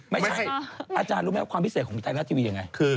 ไม่ใช่อาจารย์รู้มั้ยความพิเศษของไตล่าทีวีอย่างไร